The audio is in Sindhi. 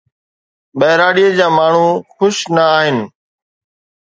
ٻهراڙيءَ جا ماڻهو خوش نه آهن.